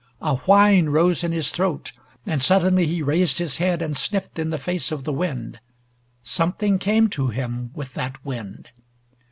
A whine rose in his throat, and suddenly he raised his head and sniffed in the face of the wind. Something came to him with that wind.